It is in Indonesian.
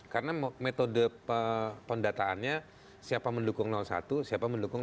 karena metode pendataannya siapa mendukung satu siapa mendukung dua